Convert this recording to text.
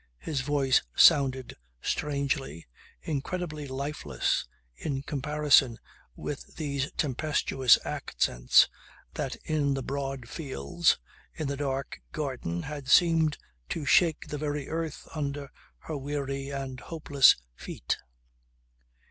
His voice sounded strangely, incredibly lifeless in comparison with these tempestuous accents that in the broad fields, in the dark garden had seemed to shake the very earth under her weary and hopeless feet.